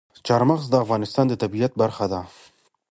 چار مغز د افغانستان د طبیعت برخه ده.